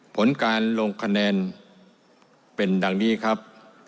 ผลการลงคะแนนเป็นดังนี้ครับ